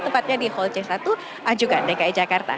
tepatnya di hall c satu ajukan dki jakarta